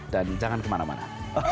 dan jangan kemana mana